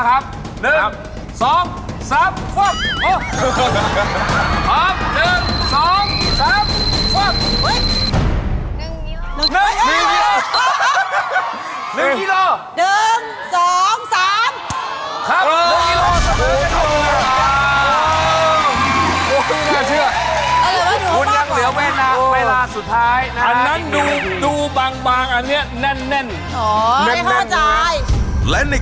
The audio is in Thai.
พี่แทนเป็นชายกรอกมากไม่งั้นเชื่อเลย